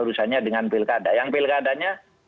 urusannya dengan pilkada yang pilkadanya